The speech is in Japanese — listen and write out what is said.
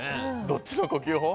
どっちの呼吸法？